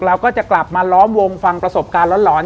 เราก็จะกลับมาล้อมวงฟังประสบการณ์หลอน